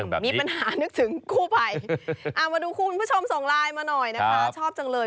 มีปัญหานึกถึงกู้ภัยเอามาดูคุณผู้ชมส่งไลน์มาหน่อยนะคะชอบจังเลย